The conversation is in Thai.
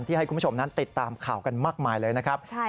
ให้คุณผู้ชมนั้นติดตามข่าวกันมากมายเลยนะครับ